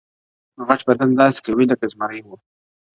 غټ بدن داسي قوي لکه زمری ؤ-